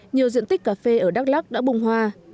nhiều diện tích cà phê ở đắk lắc đã bung hoa